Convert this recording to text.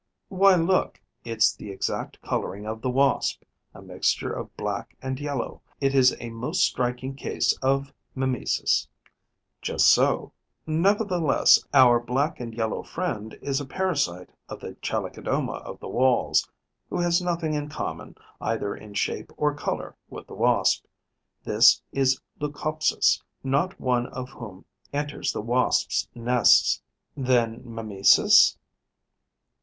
'Why look: it's the exact colouring of the Wasp, a mixture of black and yellow. It is a most striking case of mimesis.' 'Just so; nevertheless, our black and yellow friend is a parasite of the Chalicodoma of the Walls, who has nothing in common, either in shape or colour, with the Wasp. This is a Leucopsis, not one of whom enters the Wasps' nest.' 'Then mimesis...?'